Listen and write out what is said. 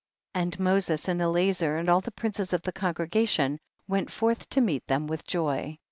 11. And Moses and Elazer and all the princes of the congregation went forth to meet them with joy.